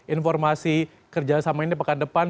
informasi kerja sama ini pekan depan